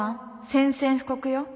宣戦布告よ。